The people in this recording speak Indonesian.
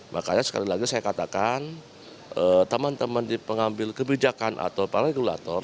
makanya sekali lagi saya katakan teman teman di pengambil kebijakan atau para regulator